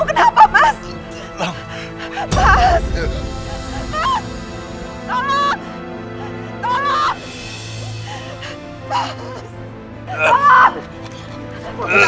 ada apa ini mbak devi